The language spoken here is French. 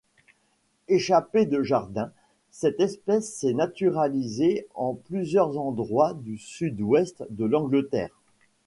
Échappée de jardins, cette espèce s'est naturalisée en plusieurs endroits du sud-ouest de l'Angleterre.